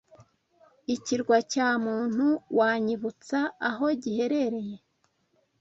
Ikirwa cya Muntu wanyibutsa aho giherereye